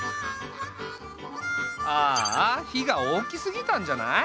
ああ火が大きすぎたんじゃない？